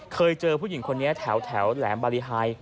เคยเจอผู้หญิงคนนี้แถวแหลมบารีไฮ